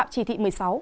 chỉ thị một mươi sáu